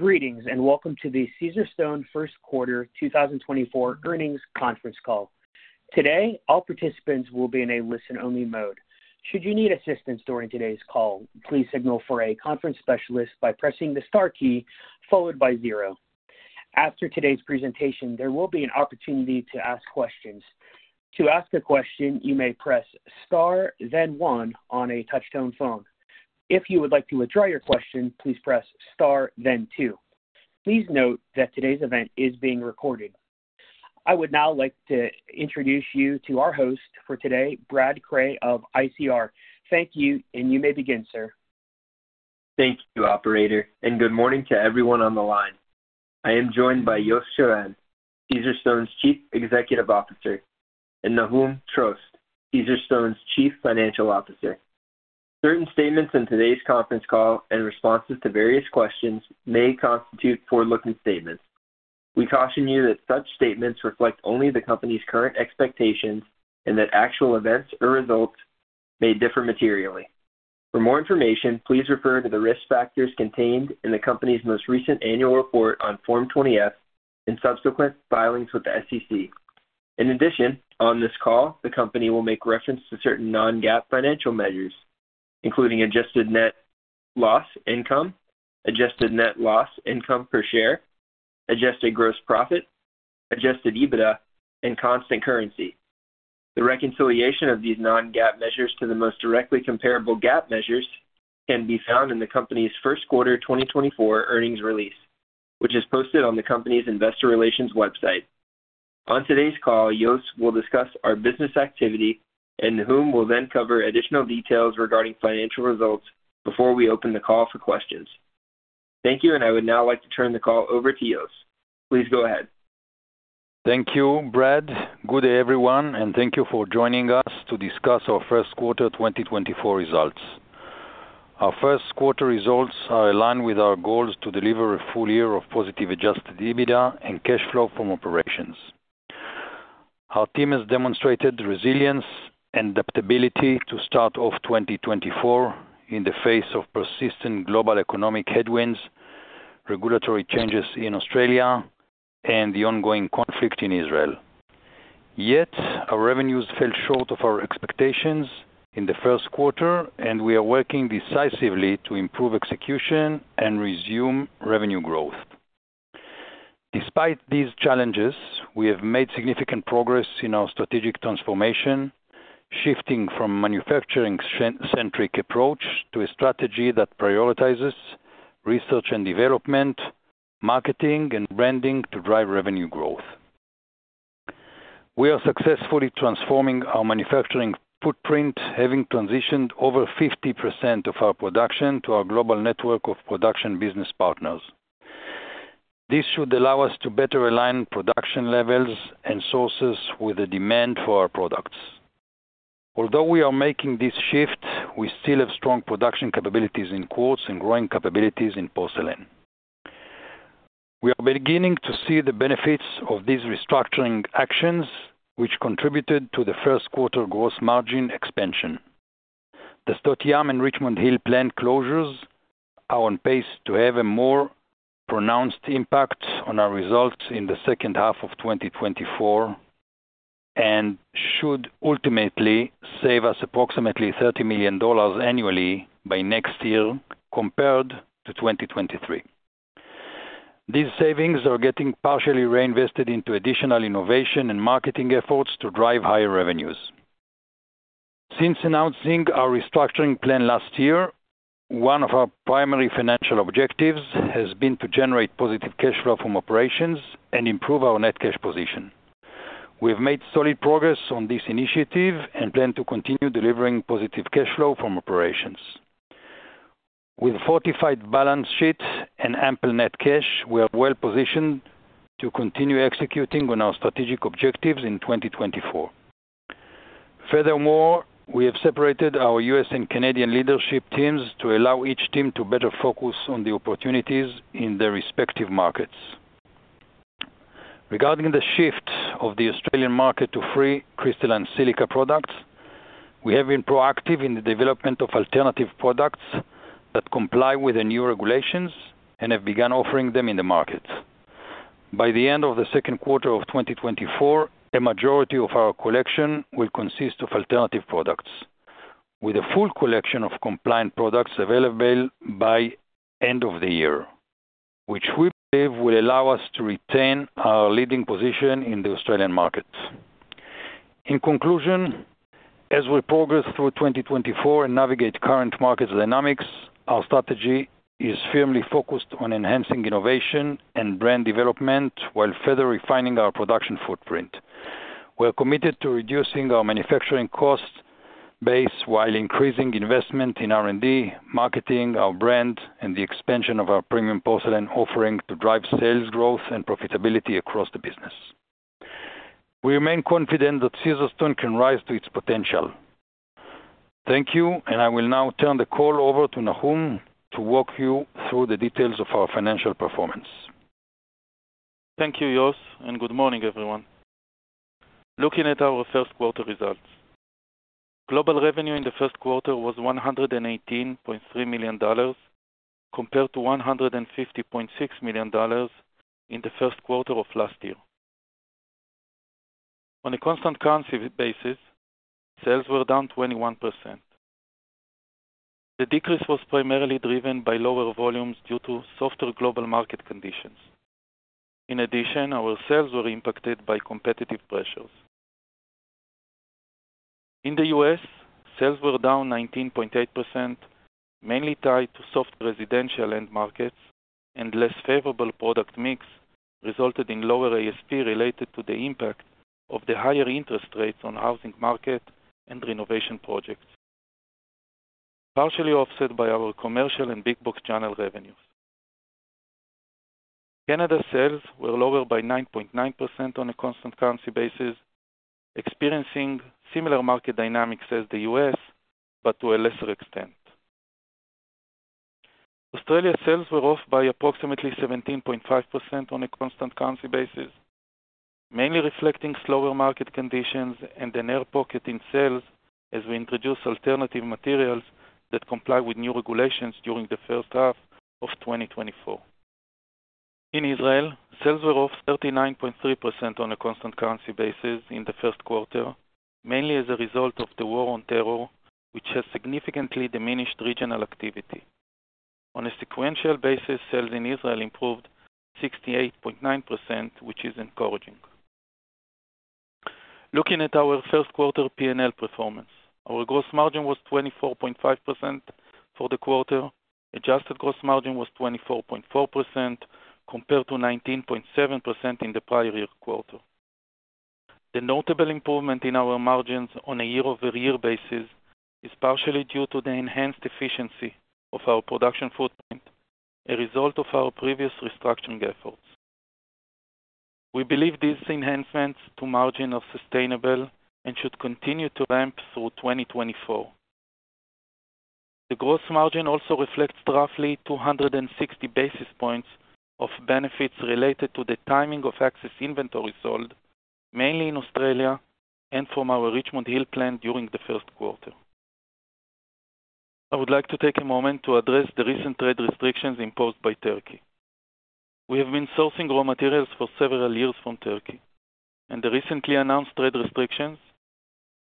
...Greetings, and welcome to the Caesarstone First Quarter 2024 Earnings Conference Call. Today, all participants will be in a listen-only mode. Should you need assistance during today's call, please signal for a conference specialist by pressing the star key followed by zero. After today's presentation, there will be an opportunity to ask questions. To ask a question, you may press star, then one on a touchtone phone. If you would like to withdraw your question, please press star, then two. Please note that today's event is being recorded. I would now like to introduce you to our host for today, Brad Cray of ICR. Thank you, and you may begin, sir. Thank you, operator, and good morning to everyone on the line. I am joined by Yosef Shiran, Caesarstone's Chief Executive Officer, and Nahum Trost, Caesarstone's Chief Financial Officer. Certain statements in today's conference call and responses to various questions may constitute forward-looking statements. We caution you that such statements reflect only the company's current expectations and that actual events or results may differ materially. For more information, please refer to the risk factors contained in the company's most recent annual report on Form 20-F and subsequent filings with the SEC. In addition, on this call, the company will make reference to certain non-GAAP financial measures, including adjusted net income (loss), adjusted net income (loss) per share, adjusted gross profit, adjusted EBITDA, and constant currency. The reconciliation of these non-GAAP measures to the most directly comparable GAAP measures can be found in the company's first quarter 2024 earnings release, which is posted on the company's investor relations website. On today's call, Yosef will discuss our business activity, and Nahum will then cover additional details regarding financial results before we open the call for questions. Thank you, and I would now like to turn the call over to Yosef. Please go ahead. Thank you, Brad. Good day, everyone, and thank you for joining us to discuss our First Quarter 2024 Results. Our first quarter results are aligned with our goals to deliver a full year of positive Adjusted EBITDA and cash flow from operations. Our team has demonstrated resilience and adaptability to start off 2024 in the face of persistent global economic headwinds, regulatory changes in Australia, and the ongoing conflict in Israel. Yet, our revenues fell short of our expectations in the first quarter, and we are working decisively to improve execution and resume revenue growth. Despite these challenges, we have made significant progress in our strategic transformation, shifting from manufacturing-centric approach to a strategy that prioritizes research and development, marketing, and branding to drive revenue growth. We are successfully transforming our manufacturing footprint, having transitioned over 50% of our production to our global network of production business partners. This should allow us to better align production levels and sources with the demand for our products. Although we are making this shift, we still have strong production capabilities in quartz and growing capabilities in porcelain. We are beginning to see the benefits of these restructuring actions, which contributed to the first quarter gross margin expansion. The Sdot Yam and Richmond Hill plant closures are on pace to have a more pronounced impact on our results in the second half of 2024 and should ultimately save us approximately $30 million annually by next year compared to 2023. These savings are getting partially reinvested into additional innovation and marketing efforts to drive higher revenues. Since announcing our restructuring plan last year, one of our primary financial objectives has been to generate positive cash flow from operations and improve our net cash position. We have made solid progress on this initiative and plan to continue delivering positive cash flow from operations. With fortified balance sheets and ample net cash, we are well positioned to continue executing on our strategic objectives in 2024. Furthermore, we have separated our U.S. and Canadian leadership teams to allow each team to better focus on the opportunities in their respective markets. Regarding the shift of the Australian market to silica-free crystalline products, we have been proactive in the development of alternative products that comply with the new regulations and have begun offering them in the market. By the end of the second quarter of 2024, a majority of our collection will consist of alternative products, with a full collection of compliant products available by end of the year, which we believe will allow us to retain our leading position in the Australian market. In conclusion, as we progress through 2024 and navigate current market dynamics, our strategy is firmly focused on enhancing innovation and brand development while further refining our production footprint. We are committed to reducing our manufacturing cost base while increasing investment in R&D, marketing, our brand, and the expansion of our premium porcelain offering to drive sales growth and profitability across the business. We remain confident that Caesarstone can rise to its potential. Thank you, and I will now turn the call over to Nahum to walk you through the details of our financial performance. Thank you, Yos, and good morning, everyone. Looking at our first quarter results. Global revenue in the first quarter was $118.3 million, compared to $150.6 million in the first quarter of last year. On a constant currency basis, sales were down 21%. The decrease was primarily driven by lower volumes due to softer global market conditions. In addition, our sales were impacted by competitive pressures. In the U.S., sales were down 19.8%, mainly tied to soft residential end markets and less favorable product mix, resulted in lower ASP related to the impact of the higher interest rates on housing market and renovation projects, partially offset by our commercial and big box channel revenues. Canada sales were lower by 9.9% on a constant currency basis, experiencing similar market dynamics as the U.S., but to a lesser extent. Australia sales were off by approximately 17.5% on a constant currency basis, mainly reflecting slower market conditions and an air pocket in sales as we introduce alternative materials that comply with new regulations during the first half of 2024. In Israel, sales were off 39.3% on a constant currency basis in the first quarter, mainly as a result of the war on terror, which has significantly diminished regional activity. On a sequential basis, sales in Israel improved 68.9%, which is encouraging. Looking at our first quarter P&L performance, our gross margin was 24.5% for the quarter. Adjusted gross margin was 24.4%, compared to 19.7% in the prior year quarter. The notable improvement in our margins on a year-over-year basis is partially due to the enhanced efficiency of our production footprint, a result of our previous restructuring efforts. We believe these enhancements to margin are sustainable and should continue to ramp through 2024. The gross margin also reflects roughly 260 basis points of benefits related to the timing of excess inventory sold, mainly in Australia and from our Richmond Hill plant during the first quarter. I would like to take a moment to address the recent trade restrictions imposed by Turkey. We have been sourcing raw materials for several years from Turkey, and the recently announced trade restrictions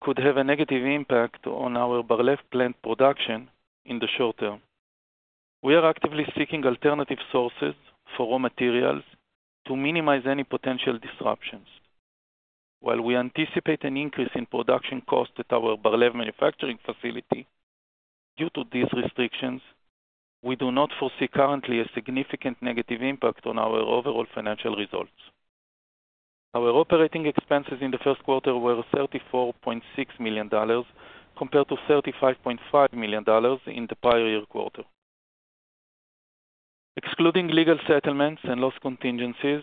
could have a negative impact on our Bar-Lev plant production in the short term. We are actively seeking alternative sources for raw materials to minimize any potential disruptions. While we anticipate an increase in production costs at our Bar-Lev manufacturing facility, due to these restrictions, we do not foresee currently a significant negative impact on our overall financial results. Our operating expenses in the first quarter were $34.6 million, compared to $35.5 million in the prior year quarter. Excluding legal settlements and loss contingencies,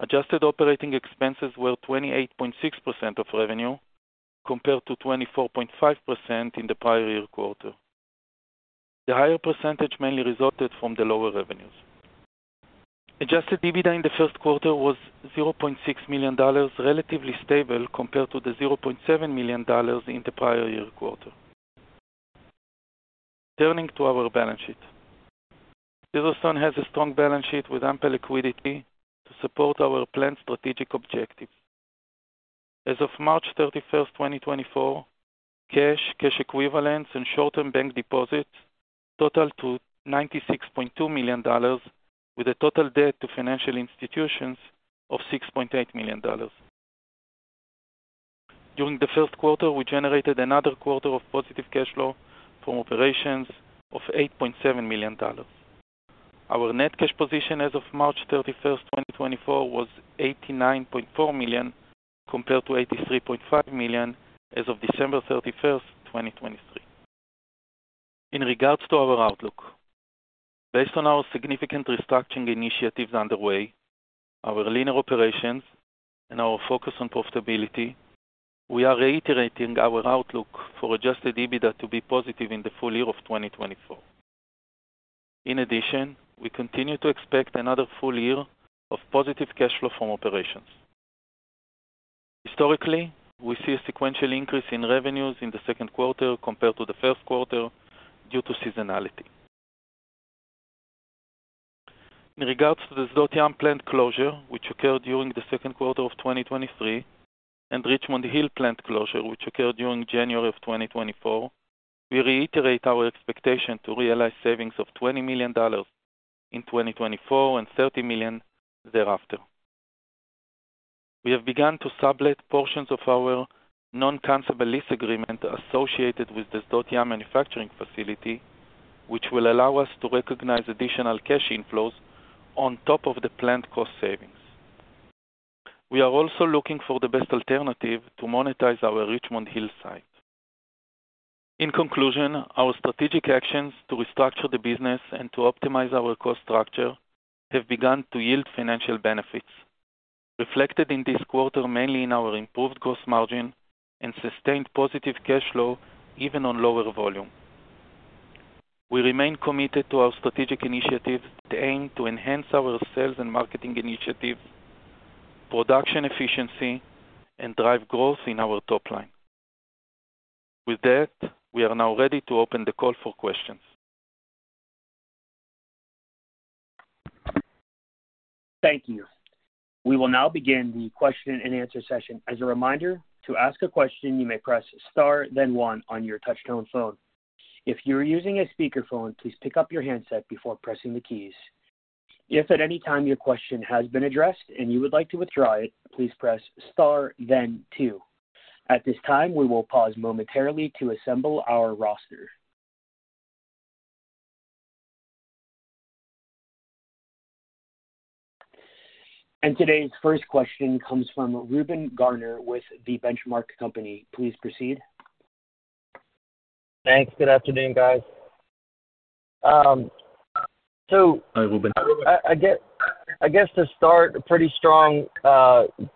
adjusted operating expenses were 28.6% of revenue, compared to 24.5% in the prior year quarter. The higher percentage mainly resulted from the lower revenues. Adjusted EBITDA in the first quarter was $0.6 million, relatively stable compared to the $0.7 million in the prior year quarter. Turning to our balance sheet. Caesarstone has a strong balance sheet with ample liquidity to support our planned strategic objectives. As of March 31, 2024, cash, cash equivalents, and short-term bank deposits totaled $96.2 million, with a total debt to financial institutions of $6.8 million. During the first quarter, we generated another quarter of positive cash flow from operations of $8.7 million. Our net cash position as of March 31, 2024, was $89.4 million, compared to $83.5 million as of December 31, 2023. In regards to our outlook, based on our significant restructuring initiatives underway, our leaner operations, and our focus on profitability, we are reiterating our outlook for adjusted EBITDA to be positive in the full year of 2024. In addition, we continue to expect another full year of positive cash flow from operations. Historically, we see a sequential increase in revenues in the second quarter compared to the first quarter due to seasonality. In regards to the Sdot Yam plant closure, which occurred during the second quarter of 2023, and Richmond Hill plant closure, which occurred during January 2024, we reiterate our expectation to realize savings of $20 million in 2024 and $30 million thereafter. We have begun to sublet portions of our non-cancellable lease agreement associated with the Sdot Yam manufacturing facility, which will allow us to recognize additional cash inflows on top of the planned cost savings. We are also looking for the best alternative to monetize our Richmond Hill site. In conclusion, our strategic actions to restructure the business and to optimize our cost structure have begun to yield financial benefits, reflected in this quarter, mainly in our improved gross margin and sustained positive cash flow, even on lower volume.... We remain committed to our strategic initiatives that aim to enhance our sales and marketing initiatives, production efficiency, and drive growth in our top line. With that, we are now ready to open the call for questions. Thank you. We will now begin the question and answer session. As a reminder, to ask a question, you may press star, then one on your touchtone phone. If you are using a speakerphone, please pick up your handset before pressing the keys. If at any time your question has been addressed and you would like to withdraw it, please press star, then two. At this time, we will pause momentarily to assemble our roster. Today's first question comes from Reuben Garner with The Benchmark Company. Please proceed. Thanks. Good afternoon, guys. Hi, Reuben. I guess to start, a pretty strong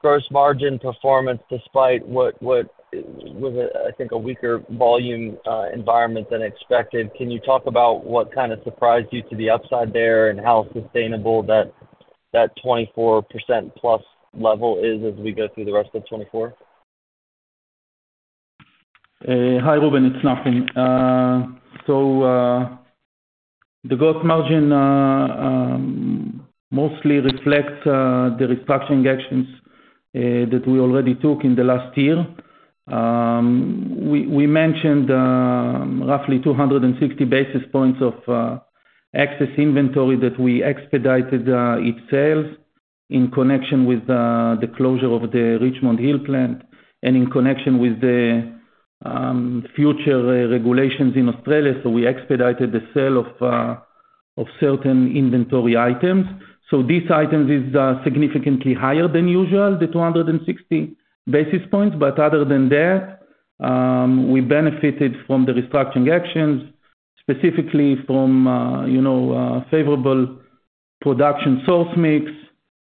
gross margin performance despite what was, I think, a weaker volume environment than expected. Can you talk about what kind of surprised you to the upside there, and how sustainable that 24%+ level is as we go through the rest of 2024? Hi, Reuben, it's Nahum. The gross margin mostly reflects the restructuring actions that we already took in the last year. We mentioned roughly 260 basis points of excess inventory that we expedited its sales in connection with the closure of the Richmond Hill plant, and in connection with the future regulations in Australia, so we expedited the sale of certain inventory items. These items is significantly higher than usual, the 260 basis points. But other than that, we benefited from the restructuring actions, specifically from you know favorable production source mix,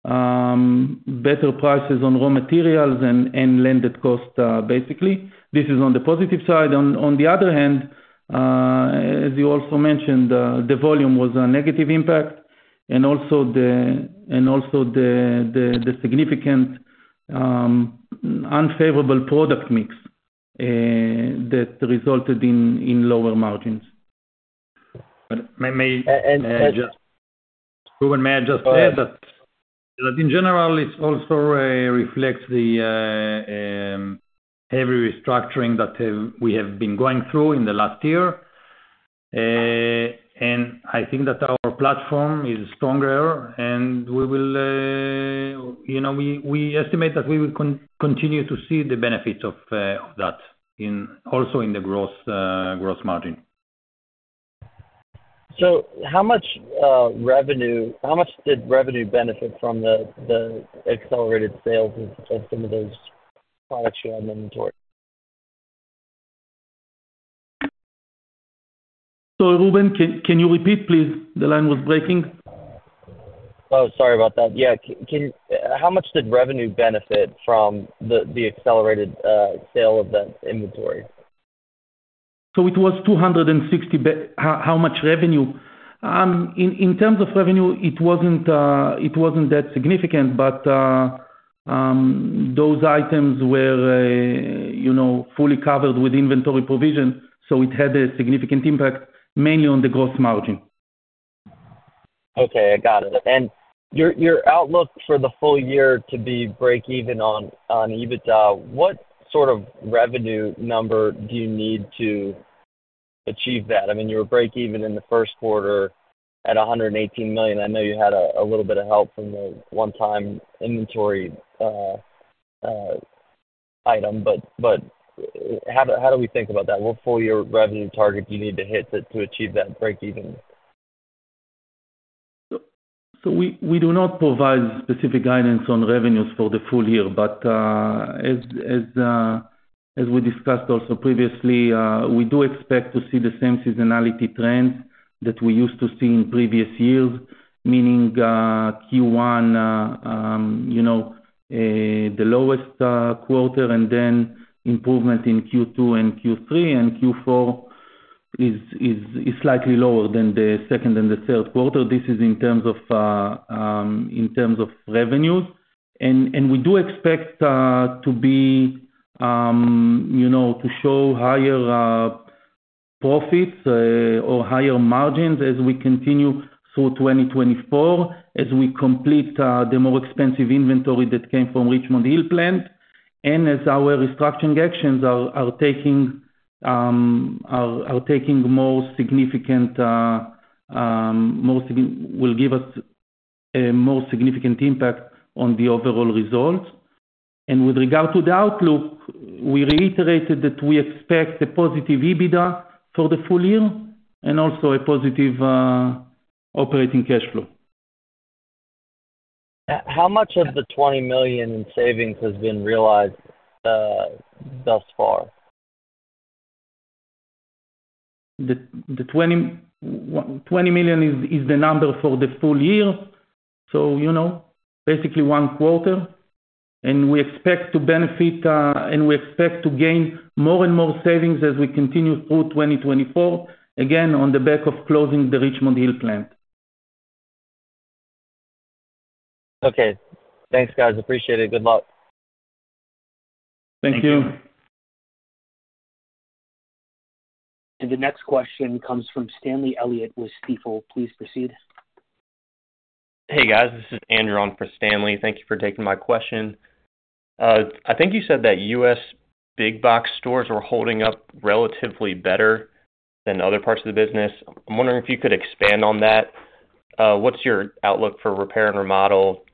better prices on raw materials and landed cost, basically. This is on the positive side. On the other hand, as you also mentioned, the volume was a negative impact and also the significant unfavorable product mix that resulted in lower margins. But may And, and- Reuben, may I just say that- Go ahead... that in general, it also reflects the heavy restructuring that we have been going through in the last year. And I think that our platform is stronger, and we will, you know, we estimate that we will continue to see the benefits of that, also in the gross margin. So how much revenue, how much did revenue benefit from the accelerated sales of some of those products you had in inventory? Reuben, can you repeat, please? The line was breaking. Oh, sorry about that. Yeah, can you... How much did revenue benefit from the accelerated sale of that inventory? So it was 260. How much revenue? In terms of revenue, it wasn't that significant, but those items were, you know, fully covered with inventory provision, so it had a significant impact, mainly on the gross margin. Okay, I got it. And your outlook for the full year to be break even on EBITDA, what sort of revenue number do you need to achieve that? I mean, you were break even in the first quarter at $118 million. I know you had a little bit of help from the one-time inventory item, but how do we think about that? What full year revenue target do you need to hit to achieve that break even? So we do not provide specific guidance on revenues for the full year, but, as we discussed also previously, we do expect to see the same seasonality trends that we used to see in previous years, meaning, Q1, you know, the lowest quarter, and then improvement in Q2 and Q3, and Q4 is slightly lower than the second and the third quarter. This is in terms of revenues. We do expect, you know, to show higher profits or higher margins as we continue through 2024, as we complete the more expensive inventory that came from Richmond Hill plant, and as our restructuring actions will give us a more significant impact on the overall results. With regard to the outlook, we reiterated that we expect a positive EBITDA for the full year and also a positive operating cash flow. How much of the $20 million in savings has been realized, thus far? The $20 million is the number for the full year, so, you know, basically one quarter... and we expect to benefit, and we expect to gain more and more savings as we continue through 2024, again, on the back of closing the Richmond Hill plant. Okay. Thanks, guys. Appreciate it. Good luck. Thank you. Thank you. The next question comes from Stanley Elliott with Stifel. Please proceed. Hey, guys. This is Andrew on for Stanley. Thank you for taking my question. I think you said that U.S. big box stores were holding up relatively better than other parts of the business. I'm wondering if you could expand on that. What's your outlook for repair and remodel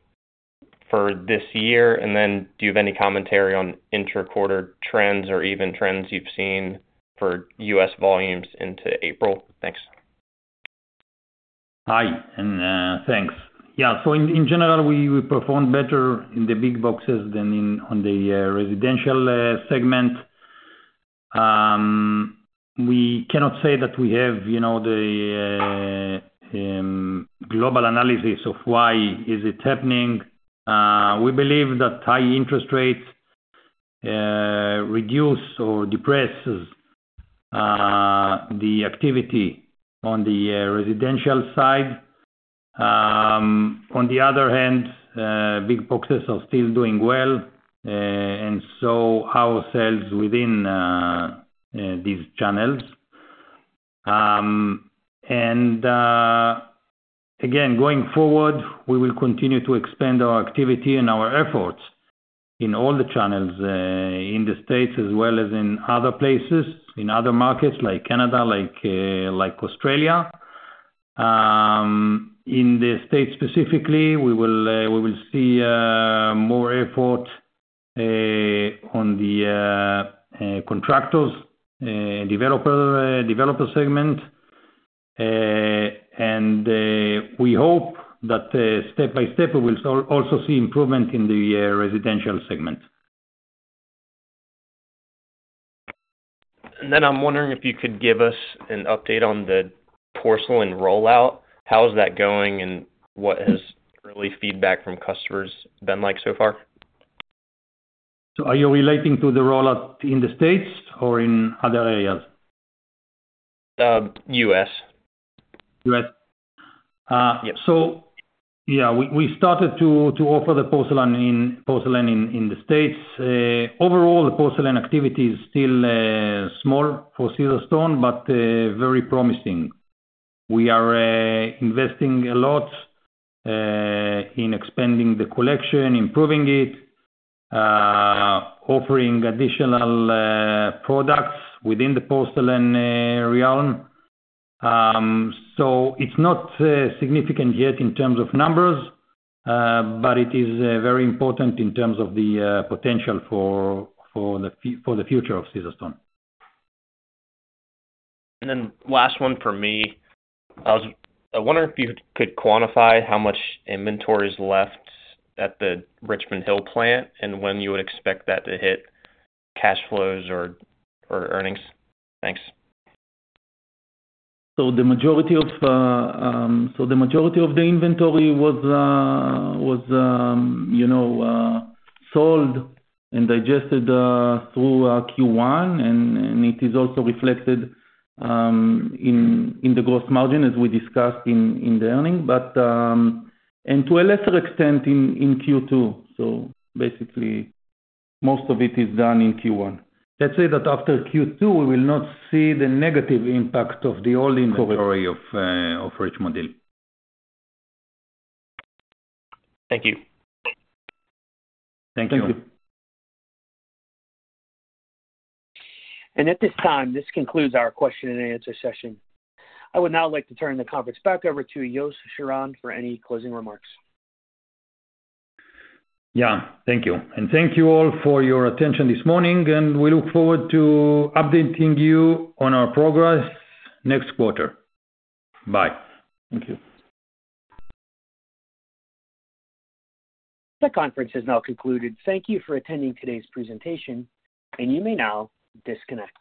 for this year? And then, do you have any commentary on inter-quarter trends or even trends you've seen for U.S. volumes into April? Thanks. Hi, and thanks. Yeah, so in general, we performed better in the big boxes than in the residential segment. We cannot say that we have, you know, the global analysis of why is it happening. We believe that high interest rates reduce or depresses the activity on the residential side. On the other hand, big boxes are still doing well, and so our sales within these channels. And again, going forward, we will continue to expand our activity and our efforts in all the channels in the States as well as in other places, in other markets like Canada, like Australia. In the States specifically, we will see more effort on the contractors, developer segment, and we hope that step by step, we will also see improvement in the residential segment. And then I'm wondering if you could give us an update on the porcelain rollout. How is that going, and what has early feedback from customers been like so far? Are you relating to the rollout in the States or in other areas? Um, US. US? Uh, yeah. So yeah, we started to offer the porcelain in the States. Overall, the porcelain activity is still small for Caesarstone, but very promising. We are investing a lot in expanding the collection, improving it, offering additional products within the porcelain realm. So it's not significant yet in terms of numbers, but it is very important in terms of the potential for the future of Caesarstone. And then last one for me. I wonder if you could quantify how much inventory is left at the Richmond Hill plant and when you would expect that to hit cash flows or earnings. Thanks. So the majority of the inventory was, you know, sold and digested through Q1, and it is also reflected in the gross margin, as we discussed in the earnings. But, and to a lesser extent, in Q2, so basically, most of it is done in Q1. Let's say that after Q2, we will not see the negative impact of the old inventory of Richmond Hill. Thank you. Thank you. Thank you. At this time, this concludes our question and answer session. I would now like to turn the conference back over to Yosef Shiran for any closing remarks. Yeah, thank you. Thank you all for your attention this morning, and we look forward to updating you on our progress next quarter. Bye. Thank you. The conference has now concluded. Thank you for attending today's presentation, and you may now disconnect.